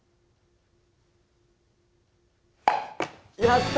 やった！